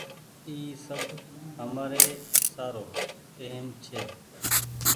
اي سب همآري سارو اهم ڇي۔